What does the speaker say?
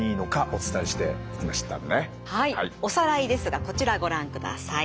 おさらいですがこちらご覧ください。